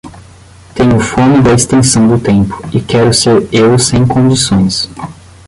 Tenho fome da extensão do tempo, e quero ser eu sem condições.